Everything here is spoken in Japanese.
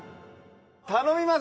頼みます！